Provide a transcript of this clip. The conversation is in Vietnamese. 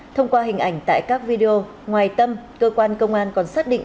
thông qua hình ảnh tại các video ngoài tâm cơ quan công an còn xác định